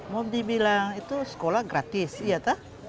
mau dibilang itu sekolah gratis iya tah